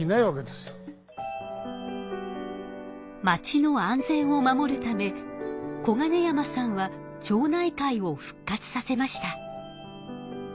まちの安全を守るため小金山さんは町内会を復活させました。